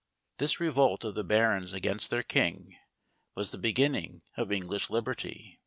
This revolt of the barons against their king was the beginning of English liberty.